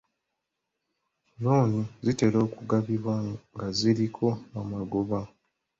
Looni zitera okugabibwa nga ziriko amagoba.